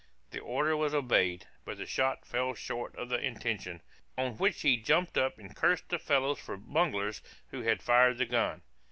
The order was obeyed, but the shot fell short of the intention, on which he jumped up and cursed the fellows for bunglers who had fired the gun.